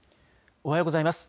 おはようございます。